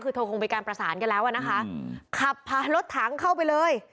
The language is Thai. คือเธอคงมีการประสานกันแล้วอะนะคะขับพารถถังเข้าไปเลย